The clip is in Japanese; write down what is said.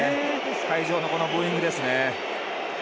会場のブーイングですね。